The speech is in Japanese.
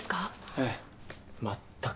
ええ全く。